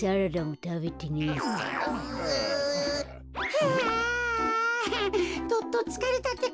はあどっとつかれたってか。